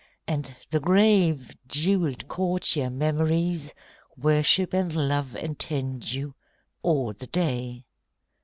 And the grave jewelled courtier Memories Worship and love and tend you, all the day.